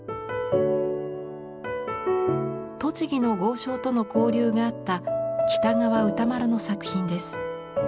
栃木の豪商との交流があった喜多川歌麿の作品です。